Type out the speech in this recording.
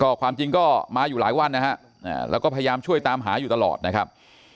ก็ความจริงก็มาอยู่หลายวันนะฮะแล้วก็พยายามช่วยตามหาอยู่ตลอดนะครับ